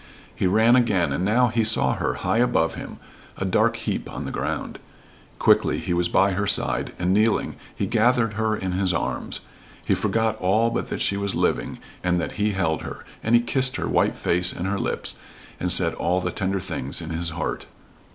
He ran again, and now he saw her, high above him, a dark heap on the ground. Quickly he was by her side, and, kneeling, he gathered her in his arms. He forgot all but that she was living and that he held her, and he kissed her white face and her lips, and said all the tender things in his heart.